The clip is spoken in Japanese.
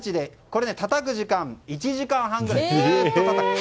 これ、たたく時間１時間半ぐらいずっとたたく。